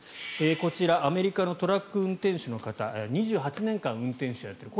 こちらアメリカのトラック運転手の方２８年間運転手をやっている。